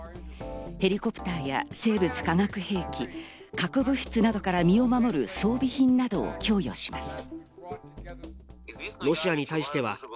ヘリコプターや生物・化学兵器、核物質などから身を守る装備品などを供与します。